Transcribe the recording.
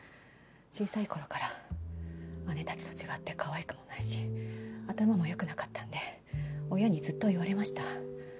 小さい頃から姉たちと違ってかわいくもないし頭も良くなかったんで親にずっと言われました。